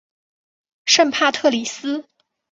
圣帕特里斯。